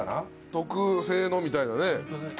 特製のみたいなね。